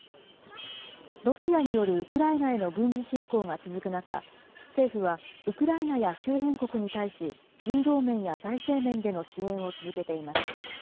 ロシアによるウクライナへの軍事侵攻が続く中、政府はウクライナや周辺国に対し、人道面や財政面での支援を続けています。